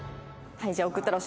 はい。